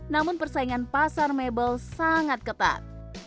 namun persaingan pasar mebel sangat ketat